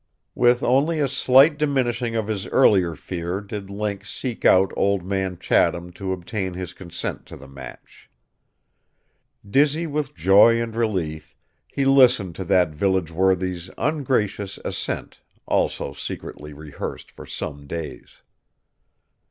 With only a slight diminishing of his earlier fear did Link seek out Old Man Chatham to obtain his consent to the match. Dizzy with joy and relief he listened to that village worthy's ungracious assent also secretly rehearsed for some days.